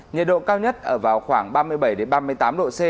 nhiệt độ cao nhất ở vào khoảng ba mươi bảy ba mươi tám độ c